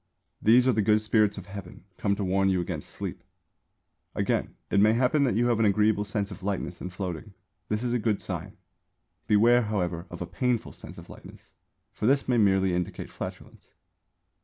These are the Good Spirits of Heaven, come to warn you against sleep. Again, it may happen that you have an agreeable sense of lightness and floating; this is a good sign. Beware, however, of a painful sense of lightness; for this may merely indicate flatulence.